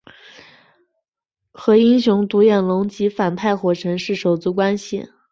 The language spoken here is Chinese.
和英雄独眼龙及反派火神是手足关系。